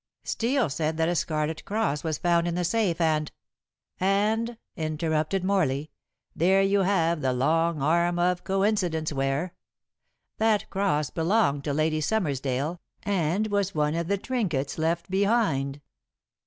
"Steel said that a scarlet cross was found in the safe, and " "And," interrupted Morley, "there you have the long arm of coincidence, Ware. That cross belonged to Lady Summersdale, and was one of the trinkets left behind.